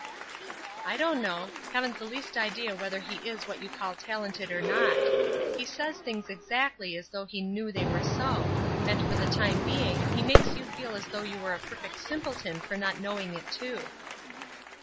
"I don't know. Haven't the least idea whether he is what you call talented or not. He says things exactly as though he knew they were so, and for the time being he makes you feel as though you were a perfect simpleton for not knowing it, too."